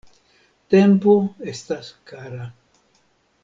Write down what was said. Tempo estas kara.